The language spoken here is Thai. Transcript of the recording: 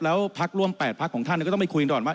แล้วพักร่วม๘พักของท่านก็ต้องไปคุยกันก่อนว่า